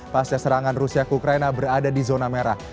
pasca serangan rusia ke ukraina berada di zona merah